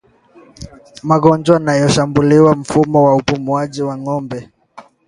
Magonjwa yanayoshambulia mfumo wa upumuaji wa ngombe